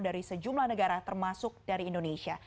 dari sejumlah negara termasuk dari indonesia